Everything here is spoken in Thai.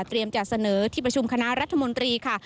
จะเสนอที่ประชุมคณะรัฐมนตรีค่ะ